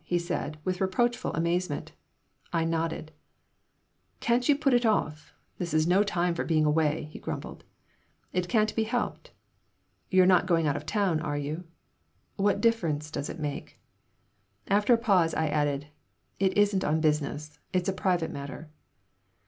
he said, with reproachful amazement I nodded "Can't you put it off? This is no time for being away," he grumbled "It can't be helped." "You're not going out of town, are you?" "What difference does it make?" After a pause I added: "It isn't on business. It's a private matter."